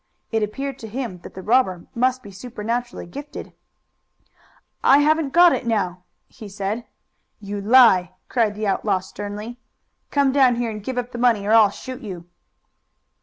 It appeared to him that the robber must be supernaturally gifted. "I haven't got it now," he said. "You lie!" cried the outlaw sternly. "Come down here and give up the money or I'll shoot you."